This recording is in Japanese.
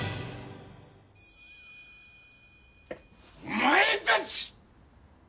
「お前たち！」